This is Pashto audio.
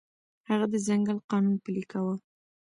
هغه د ځنګل قانون پلی کاوه.